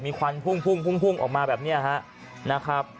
มีควันพุ่งออกมาแบบนี้ครับนะครับ